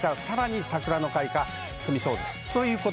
さらに桜の開花、進みそうです。